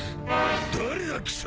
誰だ貴様！？